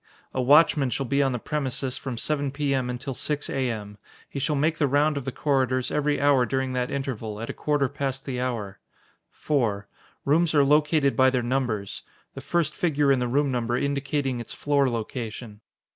A watchman shall be on the premises from 7 P.M. until 6 A.M. He shall make the round of the corridors every hour during that interval, at a quarter past the hour. 4. Rooms are located by their numbers: the first figure in the room number indicating its floor location.